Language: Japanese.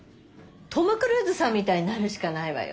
トム・クルーズさんみたいになるしかないわよ。